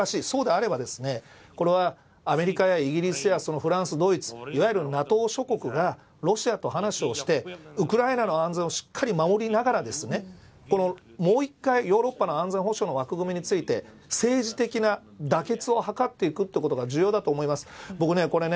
そうであればこれはアメリカやイギリスやフランス、ドイツいわゆるＮＡＴＯ諸国がロシアと話をしてウクライナの安全をしっかり守りながらもう１回ヨーロッパの安全保障の枠組みについて政治的な妥結を図っていくということが重要だと思います。